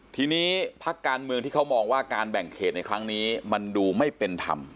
ทีนี้พักการเมืองที่เขามองว่าการแบ่งเขตในครั้งนี้มันดูไม่เป็นธรรม